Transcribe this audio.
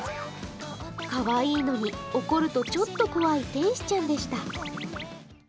かわいいのに怒るとちょっと怖い天使ちゃんでした。